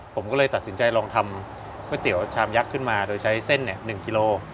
ผมก็เลยตัดสินใจลองทำก๋วยเตี๋ยวชามยักษ์ขึ้นมาโดยใช้เส้น๑กิโล